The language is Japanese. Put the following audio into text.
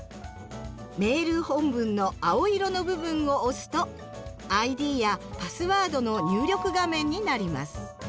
メール本文の青色の部分を押すとＩＤやパスワードの入力画面になります。